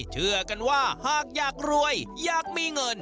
เชื่อกันว่าหากอยากรวยอยากมีเงิน